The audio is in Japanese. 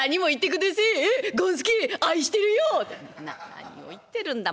「何を言ってるんだ。